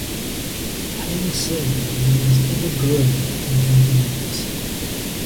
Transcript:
Hang Seng means "ever-growing" in Cantonese.